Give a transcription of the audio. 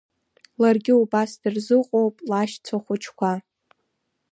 Ларгьы убас дырзыҟоуп, лашьцәа хәыҷқәа.